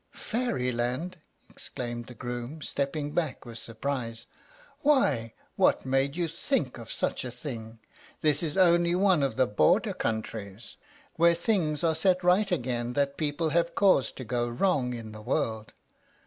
"Fairyland!" exclaimed the groom, stepping back with surprise. "Why, what made you think of such a thing? This is only one of the border countries, where things are set right again that people have caused to go wrong in the world.